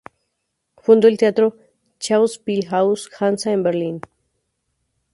Fundó el teatro Schauspielhaus Hansa, en Berlín.